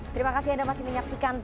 tim liputan cnn indonesia